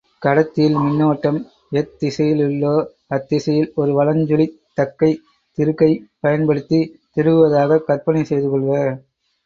கடத்தியில் மின்னோட்டம் எத்திசையிலுள்ளோ அத்திசையில் ஒரு வலஞ் சுழித் தக்கைத் திருகைப் பயன்படுத்தித் திருகுவதாகக் கற்பனை செய்து கொள்க.